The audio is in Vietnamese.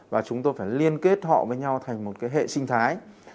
và chúng tôi phải liên kết họ với nhau thành một cái hệ sinh thái